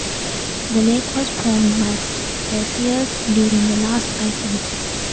The lake was formed by glaciers during the last Ice age.